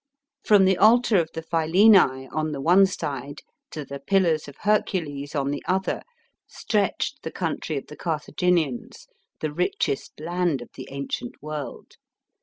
From the Altar of the Philense on the one side to the Pillars of Hercules, on the other, stretched the country of t he Carthaginians, the richest land of the ancient world.